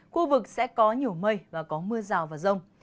khu vực sẽ có nhiều mây và có mưa rào và rông